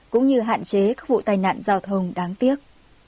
cũng như hạn chế các vụ tai nạn giao thông đáng tiếc